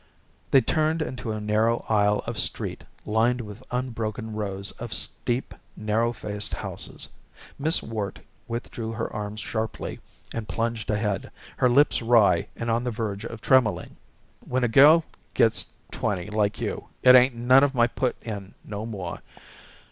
They turned into a narrow aisle of street lined with unbroken rows of steep, narrow faced houses. Miss Worte withdrew her arm sharply and plunged ahead, her lips wry and on the verge of tremoling. "When a girl gets twenty, like you, it ain't none of my put in no more.